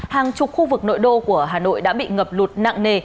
hàng chục khu vực nội đô của hà nội đã bị ngập lụt nặng nề